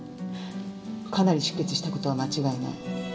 かなり出血した事は間違いない。